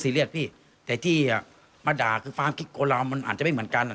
ซีเรียสพี่แต่ที่อ่ะมาด่าคือมันอาจจะไม่เหมือนกันอ่ะ